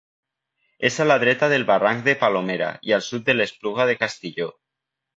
És a la dreta del barranc de Palomera i al sud de l'Espluga de Castilló.